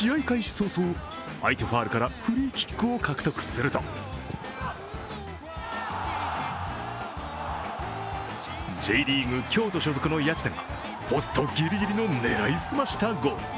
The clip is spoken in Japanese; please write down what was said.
早々、相手ファウルからフリーキックを獲得するとＪリーグ京都所属の谷内田がポストギリギリの狙い澄ましたゴール。